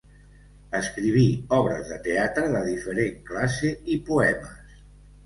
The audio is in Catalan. Escriví obres de teatre de diferent classe i poemes.